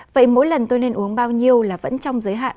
vậy mỗi lần tôi nên uống bao nhiêu là vẫn trong giới hạn